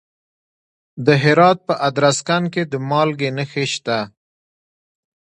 د هرات په ادرسکن کې د مالګې نښې شته.